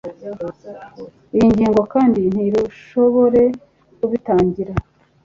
iyi ngingo kandi ntirushobore kubitangira